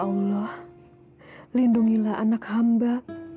allah lindungilah anak hamba